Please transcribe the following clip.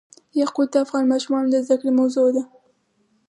یاقوت د افغان ماشومانو د زده کړې موضوع ده.